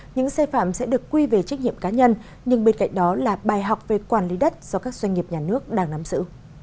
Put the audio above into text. những xe phạm sẽ được quy về trách nhiệm cá nhân nhưng bên cạnh đó là bài học về quản lý đất do các doanh nghiệp nhà nước đang nắm giữ